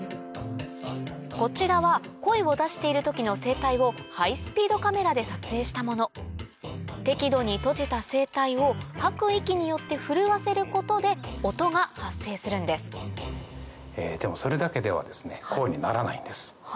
こちらは声を出している時の声帯をハイスピードカメラで撮影したもの適度に閉じた声帯を吐く息によって震わせることで音が発生するんですでもそれだけでは声にならないんです。